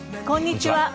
こんにちは。